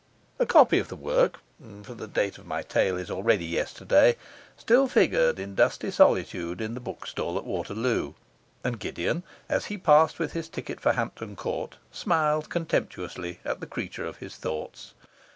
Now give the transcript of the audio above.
A copy of the work (for the date of my tale is already yesterday) still figured in dusty solitude in the bookstall at Waterloo; and Gideon, as he passed with his ticket for Hampton Court, smiled contemptuously at the creature of his thoughts.